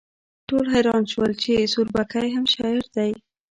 ټول حیران شول چې سوربګی هم شاعر دی